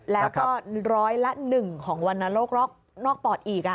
แล้วก็ร้อยละ๑ของวรรณโรคนอกปอดอีก